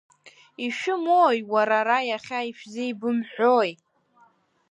Ишәымои, уара, ара иахьа, ишәзеибымҳәои?